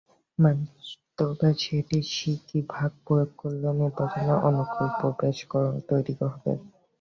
বাস্তবে সেটি সিকি ভাগ প্রয়োগ করলেও নির্বাচনের অনুকূল পরিবেশ তৈরি হবে।